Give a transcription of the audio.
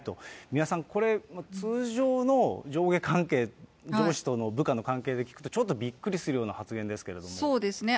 三輪さん、これ、通常の上下関係、上司と部下の関係で聞くと、ちょっとびっくりするような発言ですそうですね。